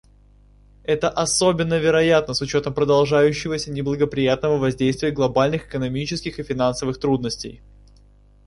Это особенно вероятно с учетом продолжающегося неблагоприятного воздействия глобальных экономических и финансовых трудностей.